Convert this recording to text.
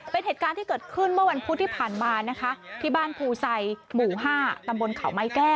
เป็นเหตุการณ์ที่เกิดขึ้นเมื่อวันพุทธที่ผ่านมานะคะ